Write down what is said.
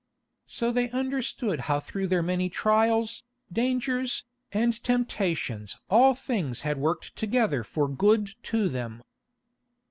So they understood how through their many trials, dangers, and temptations all things had worked together for good to them.